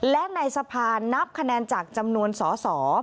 และในสภานับคะแนนจากจำนวนสอสอ